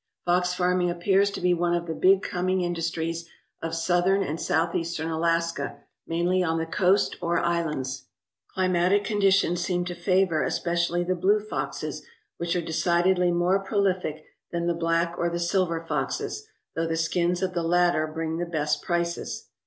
Fox farming appears to be one of the big coming in dustries of Southern and Southeastern Alaska, mainly on the coast or islands. Climatic conditions seem to favour especially the blue foxes, which are decidedly more pro lific than the black or the silver foxes, though the skins of the latter bring the best prices.